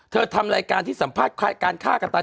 ทำรายการที่สัมภาษณ์การฆ่ากันตาย